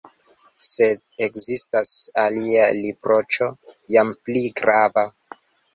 Sed ekzistas alia riproĉo, jam pli grava.